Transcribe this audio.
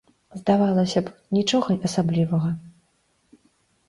Здавалася б, нічога асаблівага.